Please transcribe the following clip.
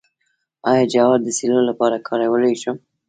آیا جوار د سیلو لپاره کارولی شم؟